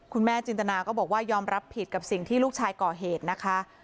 คุณแม่จินตนาก็บอกว่ายอมรับผิดกับสิ่งที่ลูกชายก่อเหตุนะคะ